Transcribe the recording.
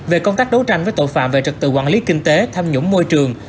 về công tác đấu tranh với tội phạm về trật tự quản lý kinh tế tham nhũng môi trường